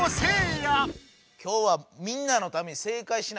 今日はみんなのために正解しないと。